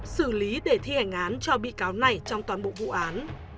xử lý để thi hành án cho bị cáo này trong toàn bộ vụ án